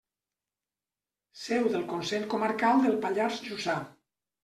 Seu del Consell Comarcal del Pallars Jussà.